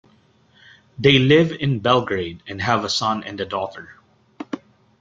They live in Belgrade and have a son and a daughter.